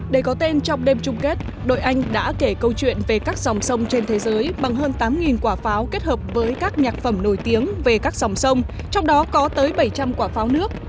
để có tên trong đêm chung kết đội anh đã kể câu chuyện về các dòng sông trên thế giới bằng hơn tám quả pháo kết hợp với các nhạc phẩm nổi tiếng về các dòng sông trong đó có tới bảy trăm linh quả pháo nước